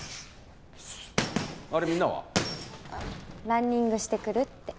ランニングしてくるって。